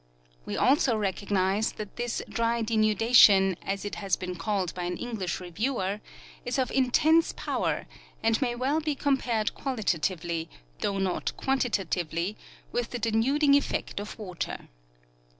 We also recognize that this " dry denudation," as it has been called b}'' an English reviewer, is of intense power and may well be compared qualitatively, though not quantitatively, with the denuding effect of water.